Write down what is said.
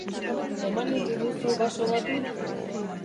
Emanen diguzu baso bat ur?